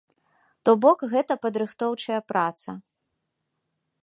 То бок гэта падрыхтоўчая праца.